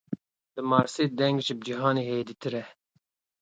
Li Marsê deng ji cihanê hêdîtir e.